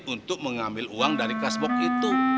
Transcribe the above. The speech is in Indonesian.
untuk mengambil uang dari kasbox itu